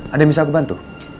ada yang bisa aku bantu